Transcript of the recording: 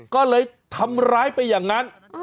ก็เลยทำร้ายไปอย่างนั้น